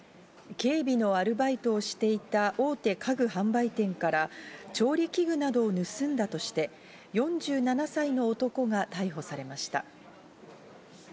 警備のアルバイトをしていた大手家具販売店から調理器具などを盗んだとして、４７歳の男が逮捕されました。